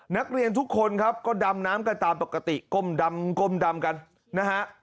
นักเรียนทุกคนครับก็ดำน้ำกันตามปกติก้มดำก้มดำกันนะฮะ